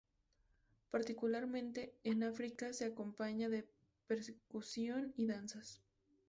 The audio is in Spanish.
Particularmente, en África se acompaña de percusión y danzas.